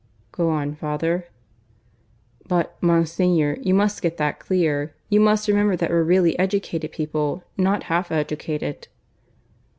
"Go on, father." "But, Monsignor, you must get that clear. You must remember we're really educated people, not half educated."